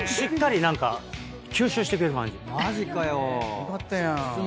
よかったやん。